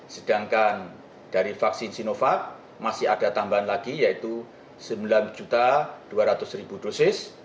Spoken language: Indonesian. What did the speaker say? sedangkan dari vaksin sinovac masih ada tambahan lagi yaitu sembilan dua ratus dosis